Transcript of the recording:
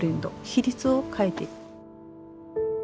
比率を変えて。